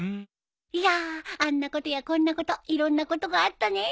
いやあんなことやこんなこといろんなことがあったねえ。